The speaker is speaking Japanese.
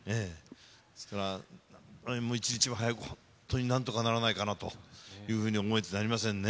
ですから、一日も早く、本当になんとかならないかなというふうに思えてなりませんね。